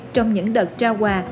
trong những đợt trao quà